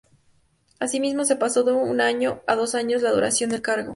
Asimismo se pasó de un año a dos años la duración del cargo.